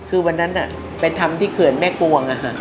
คือวันนั้นไปทำที่เขื่อนแม่กวง